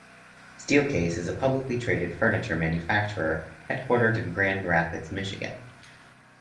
Steelcase is a publicly traded furniture manufacturer headquartered in Grand Rapids, Michigan.